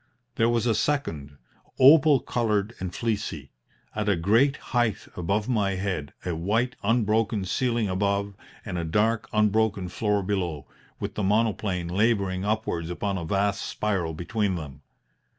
There was a second opal coloured and fleecy at a great height above my head, a white unbroken ceiling above, and a dark unbroken floor below, with the monoplane labouring upwards upon a vast spiral between them.